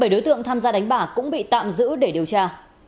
bảy đối tượng tham gia đánh bạc cũng bị tạm giữ để điều tra